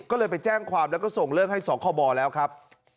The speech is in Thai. ก็เลยไปแจ้งความแล้วก็ส่งเรื่องให้สคบแล้วครับ